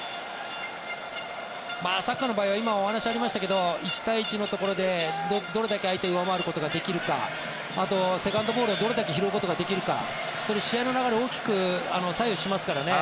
サッカーの場合は今、お話がありましたけど１対１のところでどれだけ相手を上回ることができるかあと、セカンドボールをどれだけ拾うことができるかそれは試合の流れを大きく左右しますからね